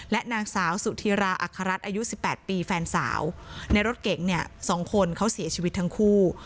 และนางสาวสุธิราอัครรัฐอายุ๑๘ปีแฟนสาวในรถเก๋งเนี่ย๒คนเขาเสียชีวิตทั้งคู่